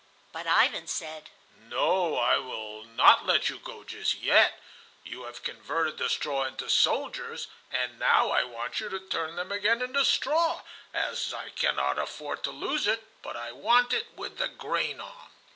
But Ivan said: "No, I will not let you go just yet. You have converted the straw into soldiers, and now I want you to turn them again into straw, as I cannot afford to lose it, but I want it with the grain on."